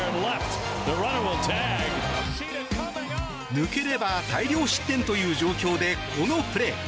抜ければ大量失点という状況でこのプレー。